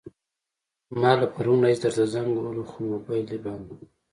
ما له پرون راهيسې درته زنګ وهلو، خو موبايل دې بند وو.